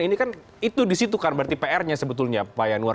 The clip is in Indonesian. ini kan itu disitu kan berarti pr nya sebetulnya pak yanuar